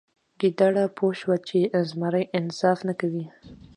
ګیدړه پوه شوه چې زمری انصاف نه کوي.